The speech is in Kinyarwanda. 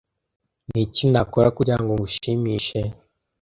Niki Nakora kugirango ngushimishe?